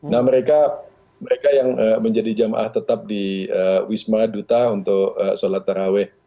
nah mereka yang menjadi jamaah tetap di wisma duta untuk sholat taraweh